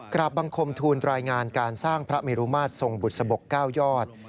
กราบบังคมทูลรายงานการสร้างพระเมรุมาตรทรงบุษบก๙ยอด